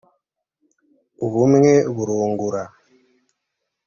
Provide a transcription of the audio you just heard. ubumwe burungura.